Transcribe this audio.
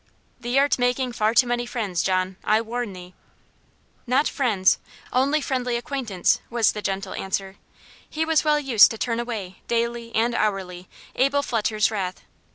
"Thee art making far too many friends, John. I warn thee!" "Not FRIENDS only friendly acquaintance," was the gentle answer: he was well used to turn away, daily and hourly, Abel Fletcher's wrath.